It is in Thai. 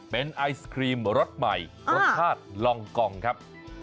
เป็นไอศครีมรสใหม่รสชาติลองกองครับ